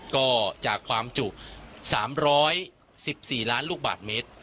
ก็จากความจุ๓๑๔ล้านลูกบาทเมตร